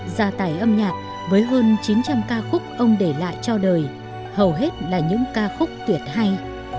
gia tài âm nhạc với hơn chín trăm linh ca khúc ông để lại cho đời hầu hết là những ca khúc tuyệt hay